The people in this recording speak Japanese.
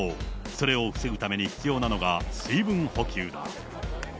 それを防ぐために必要なのが、水分補給だ。